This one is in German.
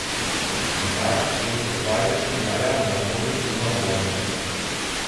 Im Herbst legt das Weibchen die Eier in das Holz junger Bäume.